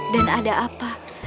dan ada apa